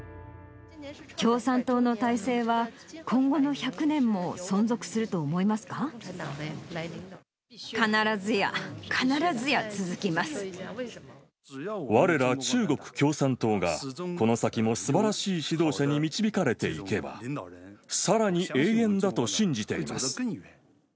共産党の体制は今後の１００必ずや、われら中国共産党が、この先もすばらしい指導者に導かれていけば、さらに永遠だと信じています。